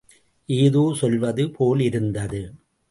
ஏதோ சொல்வது போலிருந்தது.